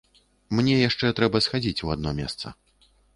Мне яшчэ трэба схадзіць у адно месца.